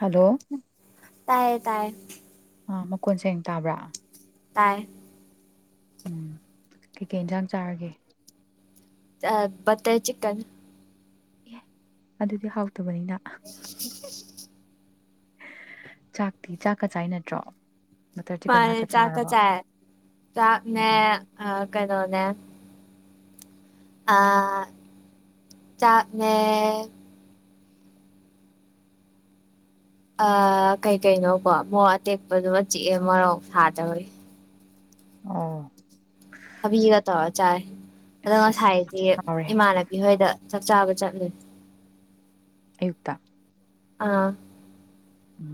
hello ꯇꯥꯏꯌꯦ ꯇꯥꯏ [unintelligible] ꯑꯥ ꯃꯈꯣꯜ ꯁꯦꯡꯅ ꯇꯥꯕ꯭ꯔꯥ ꯇꯥꯏ ꯎꯝ ꯀꯩꯀꯩ ꯏꯟꯁꯥꯡ ꯆꯥꯔꯒꯦ ꯕꯥꯇꯔ ꯆꯤꯀꯟ ꯑꯗꯨꯗꯤ ꯍꯥꯎ [unintelligible] ꯇꯕꯅꯤꯅ ꯆꯥꯛꯇꯤ ꯆꯥꯛ ꯀ ꯆꯥꯏ ꯅꯠꯇ꯭ꯔꯣ ꯕꯇꯔ ꯆꯤꯀꯟ ꯃꯥꯅꯦ ꯉꯥꯛꯇ ꯆꯥꯛꯀ ꯆꯥꯔꯕꯣ ꯆꯥꯏ ꯆꯥꯛꯅꯦ ꯑꯣ ꯀꯩꯅꯣꯅꯦ ꯑꯥ ꯆꯥꯛꯅꯦ ꯑꯥ ꯀꯩ ꯀꯩꯅꯣ ꯀꯣ ꯃꯣꯔꯣꯛ ꯑꯇꯦꯛꯄꯗꯨꯃ ꯆꯤꯛꯑꯦ ꯃꯣꯔꯣꯛ ꯁꯥꯗꯕꯩ ꯎꯝ ꯊꯕꯤꯒ ꯇꯧꯔ ꯆꯥꯏ ꯑꯗꯣ ꯑꯁ ꯑꯁ ꯉꯁꯥꯏꯗꯤ ꯍꯥꯎꯔꯦ ꯏꯃꯥꯟꯅꯕꯤ ꯍꯣꯏꯗ ꯆꯥꯛ ꯆꯥꯕ ꯆꯠꯂꯦ ꯑꯌꯨꯛꯇ ꯑꯥ ꯎꯝ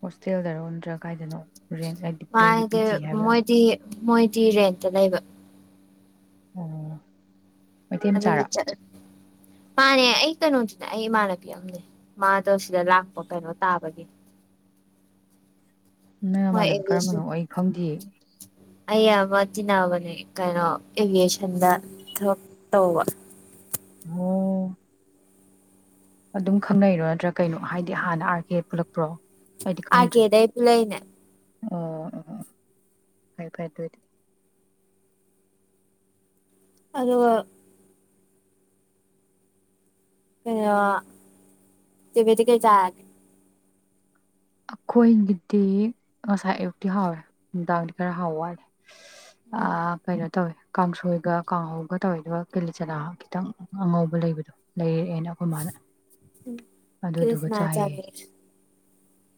ꯍꯣꯁꯇꯦꯜꯗꯔ ꯅꯠꯇꯔꯥ ꯀꯥꯏꯗꯅꯣ [unintelligible] ꯇꯨꯔꯦꯟ ꯂꯥꯏ ꯗꯤꯄ꯭ꯂꯣꯒꯤ ꯃꯥꯗꯤ ꯄꯤ ꯖꯤ ꯍꯥꯏꯕ꯭ꯔꯥ ꯃꯣꯏꯗꯤ ꯃꯣꯏꯗꯤ ꯔꯦꯟꯇ ꯂꯩꯕ ꯑꯣ ꯃꯩꯇꯩ ꯃꯆꯥꯔꯥ ꯑꯗꯒꯤ ꯆꯠꯂꯦ ꯃꯥꯅꯦ ꯑꯩ ꯀꯩꯅꯣꯗꯨꯅꯦ ꯑꯩ ꯏꯃꯥꯟꯅꯕꯤꯅꯦ ꯃꯥꯗꯣ ꯁꯤꯗ ꯂꯥꯛꯄ ꯀꯩꯅꯣ ꯇꯥꯕꯒꯤ ꯅꯪ ꯃꯣꯏ ꯅꯥꯃꯟꯅꯕꯤ ꯑꯦꯂꯤꯁ ꯀꯔꯝꯕꯅꯣ ꯑꯩ ꯈꯪꯗꯤꯌꯦ ꯑꯩ ꯑꯃ ꯇꯤꯟꯅꯕꯅꯦ ꯀꯩꯅꯣ ꯑꯦꯚꯌꯦꯁꯟꯗ ꯊꯕꯛ ꯇꯧꯕ ꯑꯣ ꯑꯗꯨꯝ ꯈꯪꯅꯩꯔꯣ ꯅꯠꯇ꯭ꯔꯥ ꯀꯩꯅꯣ ꯍꯥꯏꯗꯤ ꯍꯥꯟꯅ ꯑꯥꯔ ꯀꯦ ꯄꯨꯜꯂꯛꯄ꯭ꯔꯣ ꯑꯩꯗꯤ ꯑ ꯈꯪꯗ꯭ꯔꯦ ꯀꯦꯗꯦ ꯄꯨꯂꯥꯏꯅꯦ ꯑꯣ ꯑꯣ ꯐꯩ ꯐꯩ ꯑꯗꯨꯏꯗꯤ ꯑꯗꯨꯒ ꯑ ꯇꯃꯤꯗꯤ ꯀꯩ ꯆꯥꯒ [unintelligible] ꯑꯩꯈꯣꯏꯒꯤꯗꯤ ꯉꯁꯥꯏ ꯑꯌꯨꯛꯇꯤ ꯍꯥꯎꯋꯦ ꯅꯨꯡꯗꯥꯡꯗꯤ ꯈꯔ ꯍꯥꯎ ꯋꯥꯂꯦ ꯑ ꯀꯩꯅꯣ ꯇꯧꯋꯦ ꯀꯥꯡꯁꯣꯏꯒ ꯀꯥꯡꯍꯧꯒ ꯇꯧꯔꯤꯗꯕ ꯀꯦꯂꯤ ꯆꯅꯥ ꯈꯤꯇꯪ ꯑꯉꯧꯕ ꯂꯩꯕꯗꯣ ꯂꯩꯔ ꯑꯅ ꯑꯩꯈꯣꯏ ꯃꯥꯅ ꯑꯗꯨꯗꯨꯒ ꯀꯤꯂꯤꯆꯅꯥ ꯆꯥꯏꯌꯦ ꯆꯥꯔꯦ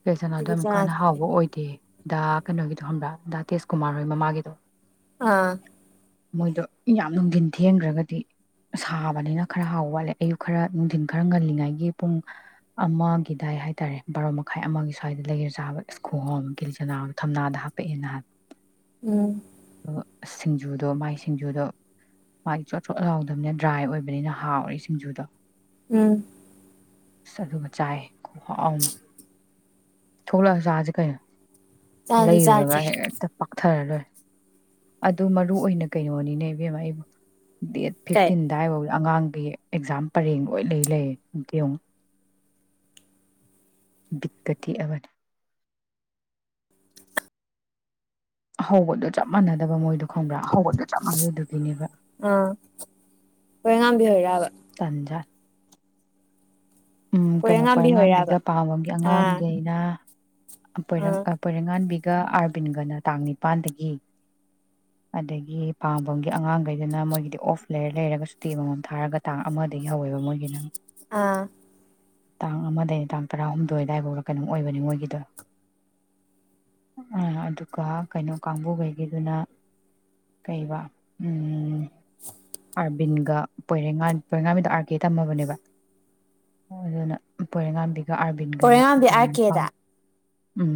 ꯐꯦꯖꯅꯥꯣꯗ ꯀꯤꯂꯤꯆꯅꯥ ꯑꯃꯨꯛꯀꯥꯟꯟꯅ ꯆꯥꯔꯦ ꯍꯥꯎꯕ ꯑꯣꯏꯗꯦ ꯗꯗꯥ ꯀꯩꯅꯣꯒꯤꯗꯣ ꯍꯪꯕ꯭ꯔꯥ ꯗꯥ ꯇꯦꯁꯀꯨꯃꯥꯔ ꯍꯣꯏ ꯃꯃꯥꯒꯤꯗꯣ ꯑꯥ ꯃꯣꯏꯗꯣ ꯌꯥꯝ ꯅꯨꯡꯊꯤꯟ ꯊꯦꯡꯈ꯭ꯔꯒꯗꯤ ꯁꯥꯕꯅꯤꯅ ꯈꯔ ꯍꯥꯎꯕ ꯋꯥꯠꯂꯦ ꯑꯌꯨꯛ ꯈꯔ ꯅꯨꯡꯊꯤꯟ ꯈꯔ ꯉꯜꯂꯤꯉꯩꯒꯤ ꯄꯨꯡ ꯑꯃꯒꯤꯗꯥꯏ ꯍꯥꯏꯇꯥꯔꯦ ꯕꯥꯔꯣꯥ ꯃꯈꯥꯏ ꯑꯃꯒꯤ ꯁ꯭ꯋꯥꯏꯗ ꯂꯩꯔꯦ ꯆꯥꯕ ꯏꯁ ꯈꯣꯡꯍꯣꯝ ꯀꯦꯂꯤ ꯆꯅꯥ ꯊꯝꯅꯥꯗ ꯍꯥꯞꯄꯛꯑꯦꯅ ꯍꯥꯏꯕ ꯎꯝ ꯁꯤꯡꯖꯨꯗꯣ ꯃꯥꯏ ꯁꯤꯡꯖꯨꯗꯣ ꯃꯥꯏ ꯆꯣꯠ ꯆꯣꯠ ꯂꯥꯎꯗꯕꯅꯤꯅ ꯗ꯭ꯔꯥꯏ ꯑꯣꯏꯕꯅꯤꯅ ꯍꯥꯎꯔꯤ ꯁꯤꯡꯖꯨꯗꯣ ꯎꯝ ꯑꯁ ꯑꯗꯨꯒ ꯆꯥꯏ ꯀꯣ ꯍꯥꯎꯅ ꯊꯣꯂ ꯁꯥꯖ ꯀ ꯆꯥꯁꯦ ꯂꯩꯔꯨꯔꯒ ꯆꯥꯁꯦ ꯍꯦꯛꯦꯛꯇ ꯐꯔꯔꯣꯏ ꯑꯗꯨ ꯃꯔꯨ ꯑꯣꯏꯅ ꯀꯩꯅꯣꯅꯤꯅꯦ ꯏꯕꯦꯝ ꯑꯩꯕꯨ ꯗꯦꯠ ꯀꯩ ꯐꯤꯐꯇꯤꯟꯗꯥꯏꯦ ꯑꯉꯥꯡꯒꯤ ꯑꯦꯛꯖꯥꯝ ꯄꯔꯦꯡ ꯂꯣꯏ ꯂꯩ ꯂꯩꯔꯦ ꯑꯃꯇꯪ ꯌꯦꯡꯉꯣ ꯕꯤꯠꯀꯥ ꯇꯦꯛꯑꯥꯕꯅꯤ ꯍꯧꯕꯗꯨꯣ ꯆꯞ ꯃꯥꯟꯅꯗꯕ ꯃꯣꯏꯗꯣ ꯈꯪꯕ꯭ꯔꯥ ꯑꯗꯨꯗꯨꯒꯤꯅꯦꯕ ꯑꯥ ꯍꯣꯏ ꯉꯥꯝꯕꯤꯍꯔꯕ ꯇꯟꯖꯥꯠ ꯎꯝ ꯀꯩꯅꯣ ꯄꯣꯏꯔꯩꯉꯥꯝꯕꯤ ꯍꯣꯏꯔꯕ ꯄꯔꯉꯥꯝꯕꯤꯒ ꯄꯥꯝꯕꯝꯒꯤ ꯑꯥ ꯑꯉꯥꯡꯈꯩꯅ ꯑꯥ ꯔ ꯄꯔꯉꯥꯟ ꯒ ꯑꯥꯔꯕꯤꯟꯒꯅ ꯇꯥꯡ ꯅꯤꯄꯥꯟꯗꯒꯤ ꯑꯗꯒꯤ ꯄꯥꯝꯕꯝꯒꯤ ꯑꯉꯥꯡꯈꯩꯗꯅ ꯃꯣꯏꯒꯤꯗꯤ ꯑꯣꯐ ꯂꯦꯌꯔ ꯂꯩꯔꯒ ꯁꯨꯇꯤ ꯃꯃꯝ ꯊꯥꯔꯒ ꯇꯥꯡ ꯑꯃꯗꯒꯤ ꯍꯧꯋꯦꯕ ꯃꯣꯏꯒꯤꯅ ꯑꯥ ꯇꯥꯡ ꯑꯃꯗꯒꯤꯅꯤ ꯇꯥꯡ ꯇꯔꯥꯍꯨꯝꯗꯣꯏ ꯑꯗꯨꯋꯥꯏꯐꯥꯎꯗ ꯀꯩꯅꯣꯝ ꯑꯣꯏꯕꯅꯤ ꯃꯣꯏꯒꯤꯗꯣ ꯑꯗꯨꯒ ꯀꯩꯅꯣ ꯀꯥꯡꯕꯨꯈꯩꯒꯤꯗꯨꯅ ꯀꯩꯕ ꯎ ꯑꯥꯔꯕꯤꯟꯒ ꯄꯣꯏꯔ ꯄꯣꯏꯔꯦꯡꯉꯥꯕꯤꯗ ꯑꯥꯔ ꯀꯦ ꯇꯝꯃꯕꯅꯦꯕ ꯑꯗꯨꯅ ꯄꯣꯏꯔꯦꯡꯉꯥꯟꯕꯤ ꯑꯗꯨꯒ ꯑꯥꯔꯕꯤꯟꯒꯅ ꯄꯣꯏꯔꯩꯉꯥꯝꯕꯤ ꯇꯥꯡ ꯑꯥꯔ ꯅꯤꯄꯥꯜ ꯎꯝ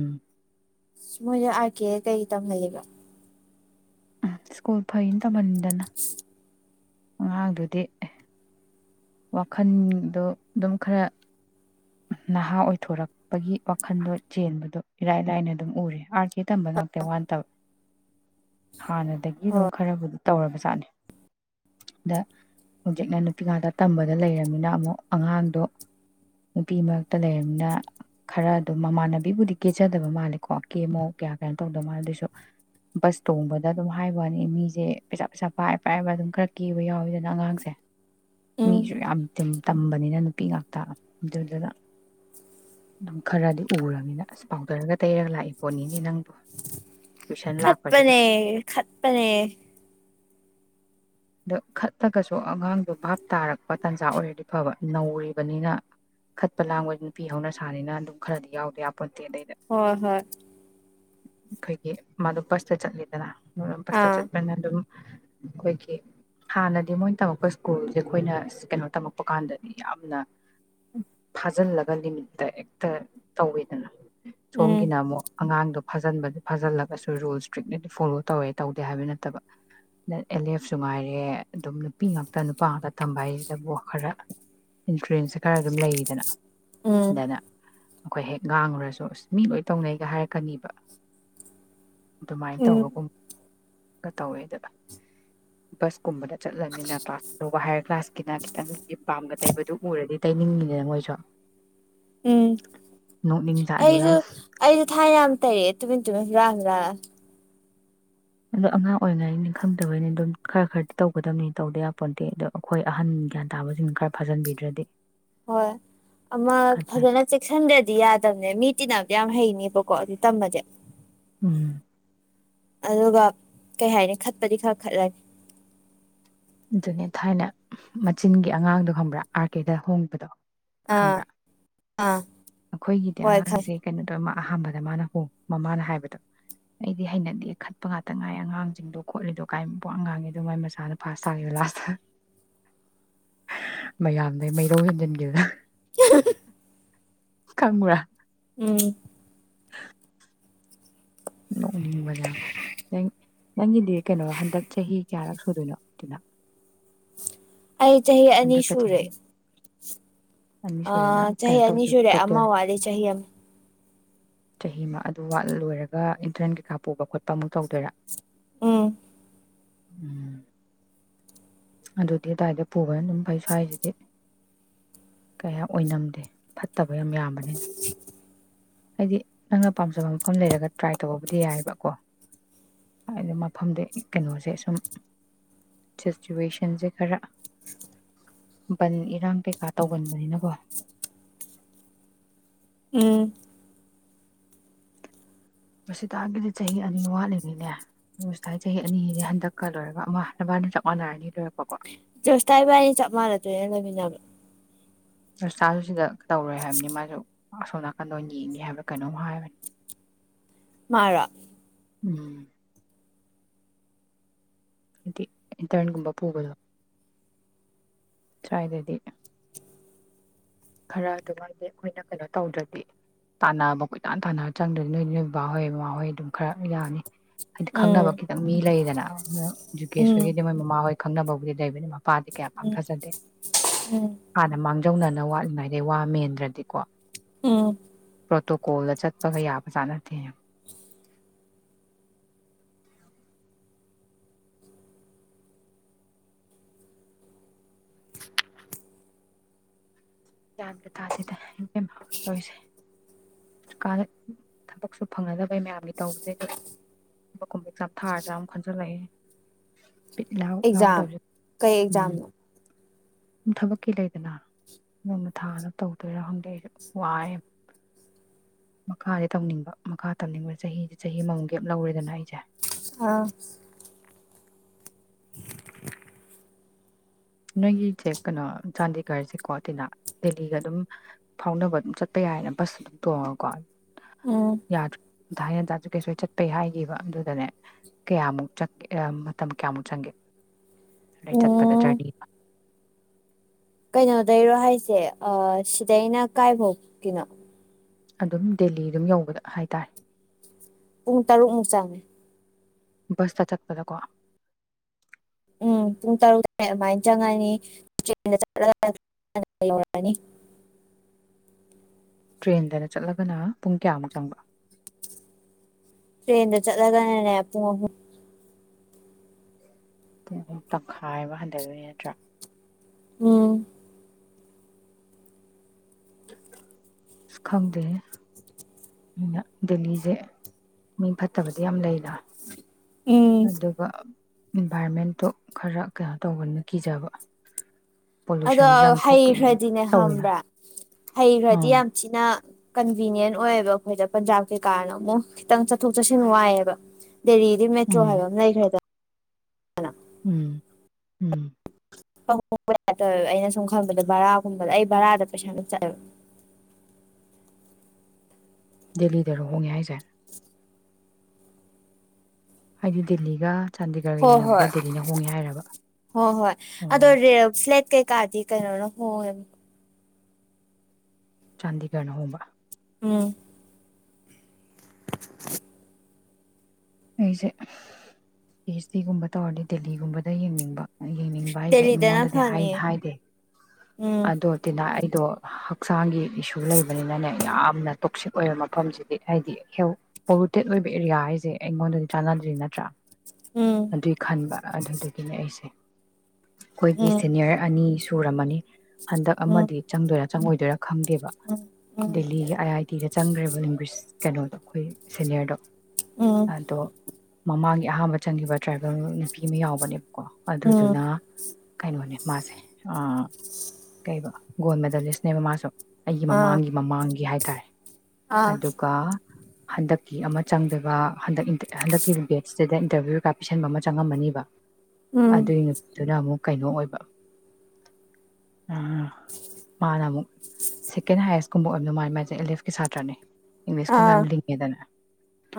ꯃꯣꯏꯅ ꯑꯥꯔ ꯀꯦ ꯀꯩ ꯇꯝꯅꯌꯦꯕ ꯁꯀꯣꯜ ꯐꯩ ꯏꯟ ꯇꯕꯅꯤ ꯅ ꯑꯉꯥꯡꯗꯨꯗꯤ ꯋꯥꯈꯜꯗꯣ ꯑꯗꯨꯝ ꯈꯔ ꯅꯍꯥ ꯑꯣꯏꯊꯣꯔꯛꯄꯒꯤ ꯋꯥꯈꯜꯗꯣ ꯆꯦꯟꯕꯗꯣ ꯏꯔꯥꯏ ꯂꯥꯏꯅ ꯑꯗꯨꯝ ꯎꯔꯦ ꯑꯥꯔ ꯀꯦ ꯇꯝꯕ ꯉꯥꯛꯇꯦ ꯋꯥꯟꯠꯇꯕ ꯍꯥꯟꯅꯗꯒꯤ ꯑꯗꯨꯝ ꯍꯣꯏ ꯈꯔꯕꯨꯗꯤ ꯇꯧꯔꯕꯖꯥꯠꯅꯤ ꯑꯗ ꯍꯧꯖꯤꯛꯅ ꯅꯨꯄꯤ ꯉꯥꯛꯇ ꯇꯝꯕꯗ ꯂꯩꯔꯕꯅꯤꯅ ꯑꯃꯨꯛ ꯑꯉꯥꯡꯗꯣ ꯅꯨꯄꯤ ꯃꯔꯛꯇ ꯂꯩꯔꯕꯅꯤꯅ ꯈꯔ ꯑꯗꯨꯝ ꯃꯃꯥꯟꯅꯕꯤꯕꯨꯗꯤ ꯀꯦꯆꯗꯕ ꯃꯥꯜꯂꯦꯀꯣ ꯀꯦꯃꯣ ꯀꯌꯥ ꯀꯩꯅꯣ ꯇꯧꯗꯕ ꯃꯥꯜꯂꯦ ꯑꯗꯨꯏꯁꯨ ꯕꯁ ꯇꯣꯡꯕꯗ ꯑꯗꯨꯝ ꯍꯥꯏꯕꯅꯤ ꯃꯤꯁꯦ ꯄꯩꯁꯥ ꯄꯩꯁꯥ ꯄꯥꯏ ꯄꯥꯏꯕ ꯑꯗꯨꯝ ꯈꯔ ꯀꯦꯕ ꯌꯥꯎꯋꯤꯗꯅ ꯑꯉꯥꯡꯁꯦ ꯎꯝ ꯃꯤꯁꯨ ꯌꯥꯝ ꯇꯝꯕꯅꯤꯅ ꯅꯨꯄꯤ ꯉꯥꯛꯇ ꯑꯗꯨꯗꯨꯅ ꯑꯗꯨꯝ ꯈꯔꯗꯤ ꯎꯔꯅꯤꯅ ꯑꯁ ꯄꯥꯎꯗꯔꯒ ꯇꯩꯔꯒ ꯂꯥꯛꯏ ꯄꯣꯠꯅꯤꯅꯦ ꯅꯪꯕꯨꯣ ꯈꯠꯄꯅꯦ ꯈꯠꯄꯅꯦ ꯑꯗꯣ ꯈꯠꯇꯂꯒꯁꯨ ꯑꯉꯥꯡꯗꯣ ꯚꯥꯞ ꯇꯥꯔꯛꯄ ꯇꯥꯟꯖꯥ ꯑꯣꯏꯔꯗꯤ ꯐꯕ ꯅꯧꯔꯤꯕꯅꯤꯅ ꯈꯠꯄ ꯂꯥꯡꯕ ꯅꯨꯄꯤ ꯍꯧꯅ ꯁꯥꯅꯤꯅ ꯑꯗꯨꯝ ꯈꯔꯗꯤ ꯌꯥꯎꯗꯥ ꯍꯣꯏ ꯍꯣꯏ ꯑꯩꯈꯣꯏꯒꯤ ꯃꯥꯗꯨ ꯕꯁꯇ ꯆꯠꯂꯤꯗꯅ ꯕꯁ ꯑꯥ ꯆꯠꯄꯅꯤ ꯑꯗꯨꯨꯝ ꯑꯩꯈꯣꯏꯒꯤ ꯍꯥꯟꯅꯗꯤ ꯃꯣꯏꯅ ꯇꯝꯃꯛꯄ ꯁ꯭ꯀꯨꯜꯁꯦ ꯑꯩꯈꯣꯏꯅ ꯀꯩꯅꯣ ꯇꯝꯃꯛꯄ ꯀꯥꯟꯗꯗꯤ ꯌꯥꯝꯅ ꯐꯥꯖꯤꯜꯂꯒ ꯂꯤꯃꯤꯠꯇ ꯍꯦꯛꯇ ꯇꯧꯋꯦꯗꯅ ꯎꯝ ꯁꯣꯝꯒꯤꯅ ꯑꯃꯨꯛ ꯑꯉꯥꯡꯗꯣ ꯐꯥꯖꯤꯟꯕꯗ ꯐꯥꯖꯤꯜꯂꯒꯁꯨ ꯔꯨꯜ ꯏꯁꯇ꯭ꯔꯤꯛꯂꯤꯗꯤ ꯐꯣꯂꯣ ꯇꯧꯋꯦ ꯇꯧꯗꯦ ꯍꯥꯏꯕ ꯅꯠꯇꯕ ꯑꯦꯜ ꯑꯦꯞ ꯁꯨꯅꯨꯡ ꯉꯥꯏꯔꯦ ꯑꯗꯨꯝ ꯅꯨꯄꯤ ꯉꯥꯛꯇ ꯅꯨꯄꯥ ꯉꯥꯛꯇ ꯊꯝꯕ ꯍꯥꯏꯁꯤꯗꯕꯨ ꯈꯔ ꯏꯟꯁꯨꯔꯦꯟꯁꯁꯦ ꯈꯔ ꯑꯗꯨꯝ ꯎꯝ ꯂꯩꯗꯅꯅ ꯑꯩꯈꯣꯏ ꯍꯦꯛ ꯉꯥꯡꯉꯨꯔꯁꯨ ꯑꯁ ꯃꯤ ꯂꯣꯏ ꯇꯧꯅꯩꯒ ꯍꯥꯏꯔꯛꯀꯅꯤꯕ ꯑꯗꯨꯃꯥꯏꯅ ꯎꯝ ꯇꯧꯕꯒꯨꯝꯕꯒ ꯇꯧꯋꯦ ꯑꯗꯨꯒ ꯕꯁ ꯀꯨꯝꯕꯗ ꯆꯠꯂꯅꯤꯅ ꯀ꯭ꯂꯥꯁ ꯑꯧꯕ ꯍꯥꯏꯌꯔ ꯀ꯭ꯂꯥꯁꯀꯤꯅ ꯈꯤꯇꯪ ꯄꯥꯝꯕ ꯇꯩꯕꯗꯨ ꯎꯔꯗꯤ ꯇꯩꯅꯤꯡꯉꯤꯅꯤꯅ ꯃꯣꯏꯁꯨ ꯎꯝ ꯅꯣꯛꯅꯤꯡꯖꯥꯠꯅꯦꯕ ꯑꯩꯁꯨ ꯌꯥꯝ ꯑꯩꯁꯨ ꯊꯥꯏꯅ ꯌꯥꯝ ꯇꯩꯔꯛꯑꯦ ꯇꯨꯃꯤꯟ ꯇꯨꯃꯤꯟ ꯍꯨꯔꯥꯡꯦ ꯋꯥꯥ ꯑꯗꯣ ꯑꯉꯥꯡ ꯑꯣꯏꯔꯤꯉꯩꯅꯤ ꯈꯪꯗꯕꯩꯅꯤ ꯑꯗꯨꯝ ꯈꯔ ꯈꯔꯗꯤ ꯇꯧꯒꯗꯕꯅꯤ ꯇꯧꯗ ꯌꯥꯄꯣꯠꯇꯗꯤ ꯑꯗꯣ ꯑꯩꯈꯣꯏ ꯑꯍꯟ ꯒ꯭ꯌꯥꯟ ꯇꯥꯕꯁꯤꯡꯅ ꯈꯔ ꯐꯥꯖꯟꯕꯤꯗ꯭ꯔꯗꯤ ꯍꯣꯏ ꯑꯃ ꯀꯗꯥꯏ ꯐꯖꯅ ꯆꯦꯛꯁꯤꯟꯗ꯭ꯔꯗꯤ ꯌꯥꯗꯕꯅꯦ ꯃꯤ ꯇꯤꯟꯅꯝꯗꯤ ꯌꯥꯝ ꯍꯩꯅꯦꯕꯀꯣ ꯀꯣꯗꯤ ꯇꯝꯕꯖꯦ ꯎꯝ ꯑꯗꯨꯒ ꯀꯩ ꯍꯥꯏꯅꯤ ꯈꯠꯄꯗꯤ ꯈꯔ ꯈꯠꯂꯒꯦ ꯑꯗꯨꯅꯦ ꯊꯥꯏꯅ ꯃꯆꯤꯟꯒꯤ ꯑꯉꯥꯡꯗꯣ ꯈꯪꯕ꯭ꯔꯥ ꯑꯥꯔ ꯀꯦꯗ ꯍꯣꯡꯕꯗꯣ ꯑꯥ ꯈꯪꯕ꯭ꯔꯥ ꯑꯥ ꯑꯩꯈꯣꯏꯒꯤꯗꯤ ꯍꯣꯏ ꯈꯪ ꯑꯉꯥꯡꯁꯦ ꯀꯩꯅꯣ ꯇꯧꯃ ꯑꯍꯥꯟꯕꯗ ꯃꯥꯅ ꯍꯣ ꯃꯃꯥꯅ ꯍꯥꯏꯕꯗꯣ ꯑꯩꯗꯤ ꯍꯩꯅꯗꯦ ꯈꯠꯄ ꯉꯥꯛꯇ ꯉꯥꯏ ꯑꯉꯥꯡꯁꯤꯡꯗꯣ ꯈꯣꯠꯂꯤꯗꯣ ꯀꯥꯏ ꯄꯋꯥ ꯉꯥꯡꯉꯤꯗꯣ ꯃꯥꯏ ꯃꯁꯥꯅ ꯐꯥꯁꯉ ꯂꯥꯁ ꯃꯌꯥꯝꯗꯒꯤꯩ ꯃꯩꯔꯧ ꯍꯦꯟꯖꯤꯟꯈꯤꯕꯗ ꯀꯃꯨꯔꯥ ꯎꯝ ꯅꯣꯛꯅꯤꯡꯕꯅꯦ ꯅꯪ ꯅꯪꯒꯤꯗꯤ ꯀꯩꯅꯣ ꯍꯟꯗꯛ ꯆꯍꯤ ꯀꯌꯥꯔꯛ ꯁꯨꯗꯣꯏꯅꯣ ꯇꯤꯅ ꯑꯩ ꯆꯍꯤ ꯑꯅꯤ ꯁꯨꯔꯦ ꯑꯅꯤ ꯑ ꯁꯨꯔꯦꯅ ꯆꯍꯤ ꯀꯩꯅꯣ ꯑꯅꯤ ꯇꯧꯗꯣꯏ ꯁꯨꯔꯦ ꯑꯃ ꯋꯥꯠꯂꯤꯦ ꯆꯍꯤ ꯑꯃ ꯆꯍꯤꯃ ꯑꯗꯨꯠ ꯂꯣꯏꯔꯒ ꯏꯟꯇꯔꯟ ꯀꯩꯀꯥ ꯄꯨꯕ ꯈꯣꯠꯄ ꯑꯃꯨꯛ ꯇꯧꯗꯣꯏꯔꯥ ꯎꯝ ꯑꯗꯨꯗꯤ ꯇꯗ ꯄꯨꯕ ꯑꯗꯨꯝ ꯐꯩ ꯁ꯭ꯋꯥꯏꯁꯤꯗꯤ ꯀꯌꯥ ꯑꯣꯏꯅꯝꯗꯦ ꯐꯠꯇꯕ ꯌꯥꯝ ꯌꯥꯝꯕꯅꯤꯅ ꯍꯥꯏꯗꯤ ꯅꯪꯅ ꯄꯥꯝꯖꯕ ꯃꯐꯝ ꯂꯩꯔꯒ ꯇ꯭ꯔꯥꯏ ꯇꯧꯕꯕꯨꯗꯤ ꯌꯥꯏꯕꯀꯣ ꯍꯥꯏꯗꯤ ꯃꯐꯝꯗꯤ ꯀꯩꯅꯣꯁꯦ ꯁꯨꯝ ꯁꯤꯆꯨꯋꯦꯁꯟꯁꯦ ꯈꯔ ꯕꯟ ꯏꯔꯥꯡ ꯀꯩꯀꯥ ꯇꯧꯒꯟꯕꯅꯤꯅꯀꯣ ꯎꯝ ꯃꯁꯤꯇꯥꯒꯤꯗꯤ ꯆꯍꯤ ꯑꯅꯤ ꯋꯥꯠꯂꯤꯉꯩꯅꯦ ꯁꯤꯗ ꯆꯍꯤ ꯑꯅꯤꯅꯦ ꯍꯟꯗꯛꯀ ꯂꯣꯏꯔꯒ ꯑꯃ ꯅꯕꯥꯗ ꯆꯞ ꯃꯥꯟꯅꯔꯅꯤ ꯂꯣꯏꯔꯛꯄꯀꯣ ꯆꯣꯁꯇꯥꯏꯕꯅꯤ ꯆꯥꯄꯃꯔ ꯑꯗꯨꯅꯅ ꯆꯥꯛꯆꯥꯥ ꯁꯨꯁꯤꯗ ꯇꯧꯔꯣꯏ ꯍꯥꯏꯕꯅꯤ ꯃꯥꯁꯨ ꯑꯁꯣꯝ ꯅꯥꯀꯟꯗ ꯑꯣꯏ ꯌꯦꯡꯅꯤ ꯍꯥꯏꯕ꯭ꯔ ꯀꯩꯅꯣꯝ ꯍꯥꯏꯕꯅꯤ ꯃꯥꯔꯣ ꯎꯝ ꯍꯥꯏꯗꯤ ꯏꯤꯟꯇ꯭ꯔꯟ ꯒꯨꯝꯕ ꯄꯨꯕꯗꯣ ꯁꯥꯏꯗꯗꯤ ꯈꯔ ꯑꯗꯨꯝ ꯍꯥꯏꯗꯤ ꯑꯩꯈꯣꯏꯅ ꯀꯩꯅꯣ ꯇꯧꯗ꯭ꯔꯗꯤ ꯇꯥꯟꯅꯕ ꯀꯣꯏꯇꯥꯟ ꯇꯥꯟꯅꯕ ꯆꯪꯗ꯭ꯔꯗꯤ ꯅꯣꯏ ꯅꯣꯏ ꯕꯥꯍꯣꯏ ꯏꯃꯥꯍꯣꯏ ꯑꯗꯨꯝ ꯈꯔ ꯌꯥꯅꯤ ꯍꯥꯏꯗꯤ ꯎꯝ ꯈꯪꯅꯕ ꯈꯤꯇꯪ ꯃꯤ ꯂꯩꯗꯅ ꯑ ꯍ ꯖꯨꯀꯦꯁ ꯎꯝ ꯑꯣꯏꯒꯤꯗꯤ ꯃꯣꯏ ꯃꯃꯥ ꯍꯣꯏ ꯈꯪꯅꯕꯕꯨꯗꯤ ꯂꯩꯕꯅꯤ ꯃꯄꯥꯗꯤ ꯀꯌꯥ ꯄꯥꯛ ꯎꯝ ꯊꯖꯗꯦ ꯎꯝ ꯍꯥꯟꯅ ꯃꯥꯡꯖꯧꯅꯅ ꯋꯥꯠꯂꯤ ꯍꯥꯏꯗꯤ ꯋꯥ ꯃꯦꯟꯗ꯭ꯔꯗꯤꯀꯣ ꯎꯝ ꯄ꯭ꯔꯣꯇꯣꯀꯣꯜꯗ ꯆꯠꯄꯒ ꯌꯥꯕꯖꯥꯠ ꯅꯠꯇꯦꯅꯦ ꯒꯌꯥꯟꯒ ꯇꯥꯗꯦꯗ ꯏꯕꯦꯝꯃ ꯇꯧꯔꯤꯁꯦ ꯀ ꯊꯕꯛꯁꯨ ꯐꯪꯅꯗꯕꯩ ꯃꯌꯥꯝꯒꯤ ꯇꯧꯕꯁꯦ ꯑꯩꯁꯨ ꯊꯕꯛꯀꯨꯝꯕ ꯑꯦꯛꯖꯥꯝ ꯊꯥꯔꯖꯥꯔ ꯑꯃꯨꯛ ꯈꯟꯖꯤꯜꯂꯛꯏ ꯑꯦꯛꯖꯥꯝ ꯀꯩ ꯑꯦꯛꯖꯥꯝꯅꯣ ꯊꯕꯛꯀꯤ ꯂꯩꯗꯅ [inaudible] ꯊꯥꯅꯕ ꯇꯧꯗꯣꯏꯔꯥ ꯈꯪꯗꯦ ꯑꯩꯁꯨ ꯋꯥꯏꯌꯦꯕ ꯃꯈꯥꯗꯤ ꯇꯧꯅꯤꯡꯕ ꯃꯈꯥ ꯇꯝꯅꯤꯡꯕ ꯆꯍꯤꯗꯤ ꯆꯍꯤ ꯑꯃꯃꯨꯛ ꯒꯦꯞ ꯂꯧꯔꯦꯗꯅ ꯑꯩꯁꯦ ꯑ ꯅꯣꯏꯒꯤꯁꯦ ꯀꯩꯅꯣ ꯆꯥꯟꯗꯤꯒꯔꯁꯦ ꯀꯣ ꯇꯤꯅꯥ ꯗꯦꯜꯂꯤꯒ ꯑꯗꯨꯝ ꯐꯥꯎꯅꯕ ꯑꯗꯨꯝ ꯆꯠꯄ ꯌꯥꯏꯅ ꯕꯁ ꯑꯗꯨꯝ ꯇꯣꯡꯉꯀꯣ ꯎꯝ ꯌꯥꯗ꯭ꯔ ꯊꯥꯏꯅ ꯗꯁꯨ ꯀꯩꯁꯨ ꯆꯠꯄꯩ ꯍꯥꯏꯈꯤꯕ ꯑꯗꯨꯗꯅꯦ ꯀꯌꯥꯃꯨꯛ ꯆꯠꯀꯦ ꯃꯇꯝ ꯀꯌꯥꯃꯨꯛ ꯆꯪꯒꯦ ꯑꯗꯩ ꯆꯠꯄꯗ ꯎꯝ ꯖ꯭ꯔꯅꯤ ꯀꯩꯅꯣꯗꯩꯔꯣ ꯍꯥꯏꯁꯦ ꯁꯤꯗꯩꯅ ꯀꯥꯏꯐꯥꯎꯀꯤꯅꯣ ꯑꯗꯨꯝ ꯗꯦꯜꯂꯤ ꯑꯗꯨꯝ ꯌꯧꯕꯗ ꯍꯥꯏꯇꯥꯔꯦ ꯄꯨꯡ ꯇꯔꯨꯛ ꯃꯨꯛ ꯆꯪꯑꯦ ꯕ꯭ꯁꯇ ꯆꯠꯄꯗꯀꯣ ꯎꯝ ꯄꯨꯡ ꯇꯔꯨꯛ [inaudible] ꯑꯗꯨꯃꯥꯏꯅ ꯆꯪꯉꯅꯤ ꯇ꯭ꯔꯦꯟꯗ ꯆꯠꯂꯒꯅ ꯉꯟꯅ ꯌꯧꯔꯅꯤ ꯇ꯭ꯔꯦꯟꯗꯅ ꯆꯠꯂꯒꯅ ꯄꯨꯡ ꯀꯌꯥꯃꯨꯛ ꯆꯪꯕ ꯇ꯭ꯔꯟꯗ ꯆꯠꯂꯒꯅꯦ ꯑꯨꯡ ꯑꯍꯨꯝ ꯄꯨꯡ ꯇꯪꯈꯥꯏ ꯑꯃ ꯍꯟꯊꯗꯣꯏ ꯅꯠꯇ꯭ꯔꯥ ꯎꯝ ꯁ ꯈꯪꯗꯦ ꯑꯩꯅ ꯗꯦꯜꯂꯤꯁꯦ ꯃꯤ ꯐꯠꯇꯕꯗꯤ ꯌꯥꯝ ꯂꯩꯅ ꯎꯝ ꯑꯗꯨꯒ ꯏꯟꯚꯥꯏꯔꯣꯟꯃꯦꯟꯇꯣ ꯈꯔ ꯀꯩꯅꯣ ꯇꯧꯕꯅꯤꯅ ꯀꯤꯖꯕ ꯑꯗꯣ ꯄꯣꯂꯨꯁꯟꯁꯨ ꯌꯥꯝ ꯊꯣꯛꯄꯩ ꯍꯩꯈ꯭ꯔꯗꯤꯅꯦ ꯇꯧꯋꯤꯅ ꯈꯪꯕ꯭ꯔꯥ ꯍꯩꯈ꯭ꯔꯗꯤ ꯑꯥ ꯌꯥꯝ ꯊꯤꯅ ꯀꯟꯚꯤꯅꯤꯌꯦꯟ ꯑꯣꯏꯌꯦꯕ ꯑꯩꯈꯣꯏꯗ ꯄꯟꯖꯥꯕ ꯀꯩꯀꯥꯅ ꯑꯃꯨꯛ ꯈꯤꯇꯪ ꯆꯠꯊꯣꯛ ꯆꯠꯁꯤꯟ ꯋꯥꯏꯑꯦꯕ ꯗꯦꯜꯂꯤꯗꯤ ꯃꯦꯇ꯭ꯔꯣ ꯎꯝ ꯍꯥꯏꯕ ꯑꯃ ꯂꯩꯈ꯭ꯔꯦꯗꯅ ꯑꯂ ꯎꯝ ꯎꯝ ꯇꯧꯋꯦꯕ ꯑꯩꯅ ꯁꯨꯝ ꯈꯟꯕꯗ ꯕꯔꯥꯒꯨꯝꯕꯗ ꯑꯩ ꯕꯔꯥꯗ ꯄꯩꯁꯥ ꯌꯥꯝ ꯆꯠꯂꯦꯕ ꯗꯦꯜꯂꯤꯗꯔꯣ ꯍꯣꯡꯉꯦ ꯍꯥꯏꯁꯦ ꯍꯥꯏꯗꯤ ꯗꯦꯜꯂꯤꯒ ꯆꯥꯟꯗꯤꯒꯔꯒ ꯍꯣꯏ ꯌꯦꯡꯅꯕꯗ ꯍꯣꯏ ꯗꯦꯜꯂꯤꯅ ꯍꯣꯡꯉꯦ ꯍꯥꯏꯔꯕ ꯍꯣꯏ ꯍꯣꯏ ꯑꯣ ꯑꯗꯣ ꯔꯦꯟꯇ ꯐ꯭ꯂꯦꯠ ꯀꯩ ꯀꯥꯗꯤ ꯀꯩꯅꯣꯅ ꯍꯣꯡ ꯆꯥꯟꯗꯤꯒꯔꯅ ꯍꯣꯡꯕ ꯎꯝ ꯑꯩꯁꯦ ꯄꯤ ꯑꯩ꯭ꯁ ꯗꯤ ꯒꯨꯝꯕ ꯇꯧꯔꯗꯤ ꯗꯦꯜꯂꯤꯒꯨꯝꯕꯗ ꯌꯦꯡꯅꯤꯡꯕ ꯌꯦꯡꯅꯤꯡꯕ ꯍꯥꯏꯁꯦ ꯗꯦꯜꯂꯤꯗꯅ ꯃꯤꯉꯣꯟꯗꯗꯤ ꯐꯅꯤ ꯍꯥꯏꯗꯦ ꯎꯝ ꯑꯗꯣ ꯇꯤꯅꯥ ꯑꯩ ꯑꯗꯣ ꯍꯛꯆꯥꯡꯒꯤ ꯏꯁꯨ ꯂꯩꯕꯅꯤꯅꯅꯦ ꯌꯥꯝ ꯌꯥꯝꯅ ꯇꯣꯛꯁꯤꯛ ꯑꯣꯏꯕ ꯃꯐꯝꯁꯤꯗꯤ ꯍꯥꯏꯗꯤ ꯍꯦꯜ ꯄꯣꯂꯨꯇꯦꯠ ꯑꯣꯏꯕ ꯑꯦꯔꯤꯌꯥ ꯍꯥꯏꯁꯦ ꯑꯩꯉꯣꯟꯗꯗꯤ ꯆꯥꯟꯅꯗ꯭ꯔꯤ ꯅꯠꯇ꯭ꯔꯥ ꯎꯝ ꯑꯗꯨꯏ ꯈꯟꯕ ꯑꯗꯨꯗꯨꯒꯤꯅꯦ ꯑꯩꯁꯦ ꯑꯩꯈꯣꯏꯒꯤ ꯎꯝ ꯁꯦꯅꯤꯌꯔ ꯑꯅꯤ ꯁꯨꯔꯝꯃꯅꯤ ꯍꯟꯗꯛ ꯎꯝ ꯑꯃꯗꯤ ꯆꯪꯗꯣꯏꯔꯥ ꯆꯪꯉꯣꯏꯗꯣꯏꯔꯥ ꯈꯪꯗꯦꯕ ꯎꯝ ꯗꯦꯜꯂꯤꯒꯤ ꯑꯥꯏ ꯑꯥꯏ ꯇꯤꯗ ꯆꯪꯒ꯭ꯔꯦꯕ ꯂꯤꯡꯒ꯭ꯋꯤꯁ ꯀꯩꯅꯣꯗꯣ ꯑꯩꯈꯣꯏ ꯁꯦꯅꯤꯌꯔꯗꯣ ꯎꯝ ꯎꯝ ꯑꯗꯣ ꯃꯃꯥꯡꯒꯤ ꯑꯍꯥꯟꯕ ꯆꯪꯒꯤꯕ ꯇ꯭ꯔꯥꯏꯕꯦꯜ ꯅꯨꯄꯤ ꯑꯃ ꯌꯥꯎꯕꯅꯦ ꯀꯣ ꯎꯝ ꯑꯗꯨꯗꯨꯅ ꯀꯩꯅꯣꯅꯦ ꯃꯥꯁꯦ ꯑ ꯀꯩꯕ ꯒꯣꯜ ꯃꯦꯗꯂꯤꯁꯅꯦꯕꯥ ꯃꯥꯁꯨ ꯑꯩꯒꯤ ꯑꯥ ꯃꯃꯥꯡꯒꯤ ꯃꯃꯥꯡꯒꯤ ꯍꯥꯏ ꯇꯥꯏ ꯑꯥ ꯑꯗꯨꯒ ꯍꯟꯗꯛꯀꯤ ꯑꯃ ꯆꯪꯗꯣꯏꯕ ꯍꯟꯗꯛ ꯍꯟꯗꯛꯀꯤ ꯕꯦꯠꯁꯁꯤꯗ ꯏꯟꯇꯔꯚꯤ꯭ꯌꯨ ꯀꯩꯀꯥ ꯄꯤꯁꯟꯕ ꯑꯃ ꯆꯪꯉꯝꯃꯅꯤꯕ ꯎꯝ ꯑꯗꯨꯏ ꯅꯨꯃꯤꯠꯇꯨꯅ ꯑꯃꯨꯛ ꯀꯩꯅꯣ ꯑꯣꯏꯕ ꯃꯥꯅ ꯑꯃꯨꯛ ꯁꯦꯀꯦꯟ ꯍꯥꯏꯌꯦꯁꯀꯨꯝꯕ ꯑꯣꯏꯔꯝꯗꯧ ꯃꯥꯜꯂꯦ ꯃꯥꯥꯏ ꯃꯥꯁꯦ ꯑꯦꯂꯦꯛꯁꯀꯤ ꯁꯥꯇ꯭ꯔꯅꯦ ꯏꯪꯂꯤꯁꯀꯨꯝꯕꯥ ꯑꯥ ꯌꯥꯝ ꯂꯤꯡꯉꯦꯗꯅꯥ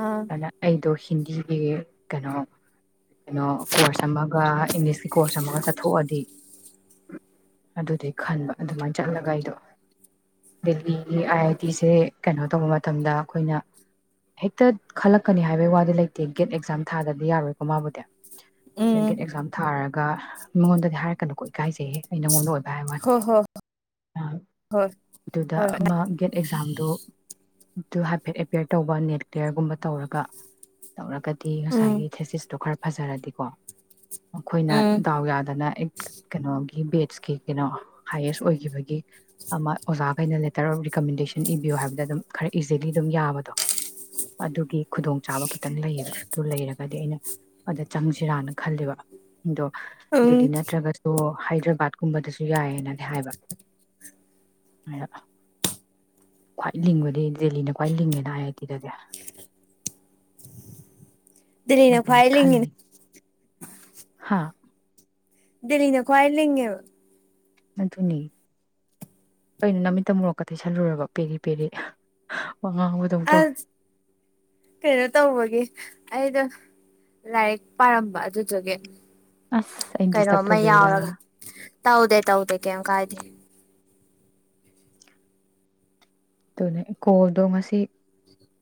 ꯑꯥ ꯑꯗꯨꯅ ꯑꯩ ꯗꯣꯁꯤ ꯍꯤꯟꯗꯤꯒꯤ ꯀꯩꯅꯣ ꯀꯩꯅꯣ ꯀꯣꯔꯁ ꯑꯃꯒ ꯏꯪꯂꯤꯁꯀꯤ ꯀꯣꯔꯁ ꯑꯃꯒ ꯆꯠꯊꯣꯛꯑꯗꯤ ꯑꯗꯨꯗꯤ ꯈꯟꯕ ꯑꯗꯨꯃꯥꯏꯅ ꯆꯠꯂꯒ ꯑꯩꯗꯣ ꯗꯦꯜꯂꯤꯒꯤ ꯑꯥꯏ ꯑꯥꯏ ꯇꯤꯁꯦ ꯀꯩꯅꯣ ꯇꯧꯕ ꯃꯇꯝꯗ ꯑꯩꯈꯣꯏꯅ ꯍꯦꯛꯇ ꯈꯜꯂꯛꯀꯅꯤ ꯍꯥꯏꯕꯩ ꯋꯥꯗꯤ ꯂꯩꯇꯦ ꯒꯦꯠ ꯑꯦꯛꯖꯥꯝ ꯊꯥꯗꯗꯤ ꯌꯥꯔꯣꯏꯀꯣ ꯃꯥꯕꯨꯗꯤ ꯎꯝ ꯒꯦꯠ ꯑꯦꯛꯖꯥꯝ ꯊꯥꯔꯒ ꯃꯤꯉꯣꯟꯗꯗꯤ ꯍꯥꯏꯔꯛꯀꯅꯨꯀꯣ ꯏꯀꯥꯏꯖꯩꯍꯦ ꯑꯩ ꯅꯉꯣꯟꯗ ꯑꯣꯏꯕ ꯥꯍꯥꯏ ꯋꯥꯅꯤ ꯍꯣꯏ ꯍꯣꯏ ꯍꯣꯏ ꯑꯗꯨꯗ ꯍꯣꯏ ꯑꯃ ꯒꯦꯠ ꯑꯦꯛꯖꯥꯝꯗꯣ ꯑꯗꯨ ꯍꯥꯏꯐꯦꯠ ꯑꯦꯄꯤ꯭ꯌꯔ ꯇꯧꯕ ꯅꯦꯠ ꯀꯂꯤꯌ꯭ꯔꯒꯨꯝꯕ ꯇꯧꯔꯒ ꯇꯧꯔꯒꯗꯤ ꯎꯝ ꯉꯁꯥꯏꯒꯤ ꯊꯦꯁꯤꯁꯇꯣ ꯈꯔ ꯐꯖꯔꯗꯤꯀꯣ ꯑꯩꯈꯣꯏꯅ ꯎꯝ ꯗꯥꯎ ꯌꯥꯗꯅ ꯀꯩꯅꯣꯒꯤ ꯕꯦꯠꯁꯀꯤ ꯀꯩꯅꯣ ꯍꯥꯏꯌꯦꯁ ꯑꯣꯏꯒꯤꯕꯒꯤ ꯑꯃ ꯑꯣꯖꯥꯈꯩꯅ ꯂꯦꯇꯔ ꯑꯣꯐ ꯔꯤꯀꯃꯦꯟꯗꯦꯁꯟ ꯏꯕꯤꯌꯣ ꯍꯥꯏꯕꯗ ꯑꯗꯨꯝ ꯈꯔ ꯏꯖꯤꯂꯤ ꯑꯗꯨꯝ ꯌꯥꯕꯗꯣ ꯑꯗꯨꯒꯤ ꯈꯨꯗꯣꯡꯆꯥꯥꯕ ꯈꯤꯇꯪ ꯂꯩꯌꯦꯕ ꯑꯗꯨ ꯂꯩꯔꯒꯗꯤ ꯑꯩꯅ ꯑꯗ ꯆꯪꯁꯤꯔꯥꯅ ꯈꯜꯂꯤꯕ ꯑꯗꯣ ꯎꯝ ꯗꯦꯜꯂꯤ ꯅꯠꯇ꯭ꯔꯒꯁꯨ ꯍꯥꯏꯗ꯭ꯔꯕꯥꯠꯀꯨꯝꯕꯗꯁꯨ ꯌꯥꯏꯌꯦꯅꯗꯤ ꯍꯥꯏꯕ ꯈ꯭ꯋꯥꯏ ꯂꯤꯡꯕꯗꯤ ꯗꯦꯜꯂꯤꯅ ꯈ꯭ꯋꯥꯏ ꯂꯤꯡꯉꯦꯅ ꯑꯥꯏ ꯑꯥꯏ ꯇꯤꯗꯗꯤ ꯗꯦꯂꯤꯅ ꯑꯗꯨꯗꯤ ꯈ꯭ꯋꯥꯏ ꯂꯤꯡꯉꯤꯅꯤ ꯈꯜꯂꯤ ꯍꯥ ꯗꯂꯤꯅ ꯀꯋꯥꯏ ꯂꯤꯡꯉꯦꯕ ꯑꯗꯨꯅꯤ ꯀꯩꯟ ꯅꯃꯤꯠꯇ ꯃꯣꯔꯣꯛꯀ ꯇꯩꯁꯜꯂꯨꯔꯕ ꯄꯦꯔꯤ ꯄꯦꯔꯤ ꯋꯥꯉꯥꯡ ꯑꯁ ꯀꯩꯅꯣ ꯇꯧꯕꯒꯤ ꯑꯩꯗꯣ ꯂꯥꯏꯔꯤꯛ ꯄꯥꯔꯝꯕ ꯑꯗꯨꯗꯨꯒꯤ ꯑꯁ ꯑꯩ ꯗꯤꯁꯇꯞ ꯀꯩꯅꯣꯝꯃ ꯇꯧꯕꯤꯔꯤꯔꯥ ꯌꯥꯎꯔꯒ ꯇꯧꯗꯦ ꯇꯧꯗꯦ ꯀꯦꯝ ꯀꯥꯏꯗꯦ ꯑꯗꯨꯅꯦ ꯀꯣꯜꯗꯣ ꯉꯁꯤ